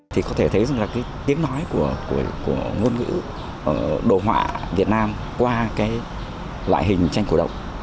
thì có thể thấy rằng là cái tiếng nói của ngôn ngữ đồ họa việt nam qua cái loại hình tranh cổ động